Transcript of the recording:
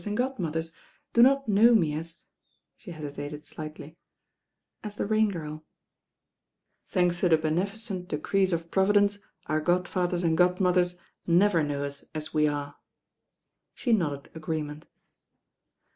and godmothers do not know me at— ^" the hesitated slightly, as the Rain GirL" "Thanks to the beneficent decrees of Providence, our godfadiers and godmothers never know us as we are." She nodded agreement.